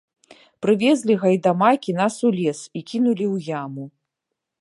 Прывезлі гайдамакі нас у лес і кінулі ў яму.